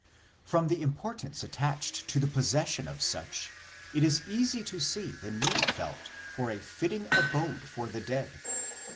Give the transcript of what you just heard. from the importance attached to the possession of such it is easy to see the need felt for a fitting abode for the dead.